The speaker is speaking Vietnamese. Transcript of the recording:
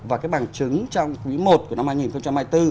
và cái bằng chứng trong quý i của năm hai nghìn hai mươi bốn